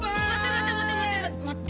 待て待て待て待て待って。